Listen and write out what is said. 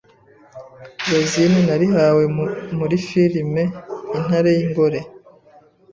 Rosine narihawe muri firime “Intare y’Ingore